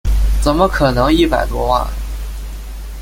怎么可能一百多万